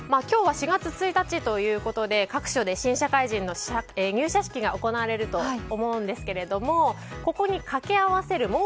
今日は４月１日ということで各所で新社会人の入社式が行われると思うんですがここにかけ合わせる